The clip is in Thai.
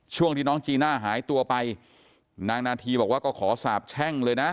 ช่วงที่น้องจีน่าหายตัวไปนางนาธีบอกว่าก็ขอสาบแช่งเลยนะ